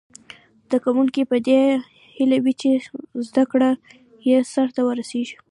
زده کوونکي په دې هیله وي چې زده کړه یې سرته ورسیږي.